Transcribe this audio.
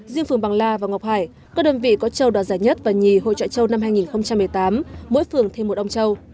riêng phường bằng la và ngọc hải các đơn vị có châu đoàn giải nhất và nhì hội trọi châu năm hai nghìn một mươi tám mỗi phường thêm một ông châu